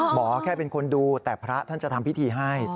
หมอแค่เป็นคนดูแต่พระท่านจะทำพิธีให้